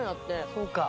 そうか。